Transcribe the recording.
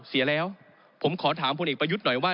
เสียแล้วผมขอถามพลเอกประยุทธ์หน่อยว่า